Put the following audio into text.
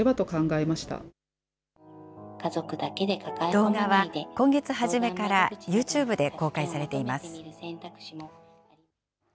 動画は今月初めからユーチューブで公開されています。